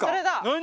何？